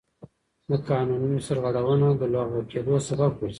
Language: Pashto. د قانون سرغړونه د لغوه کېدو سبب ګرځي.